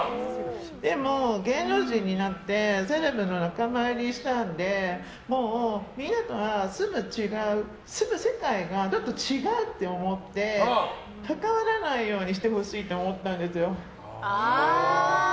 でも、芸能人になってセレブの仲間入りしたんでもう、みんなとは住む世界がちょっと違うって思って関わらないようにしてほしいと思ったんですよ。